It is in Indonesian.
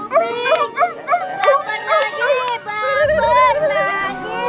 baper lagi baper lagi